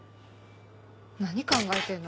何考えてるの？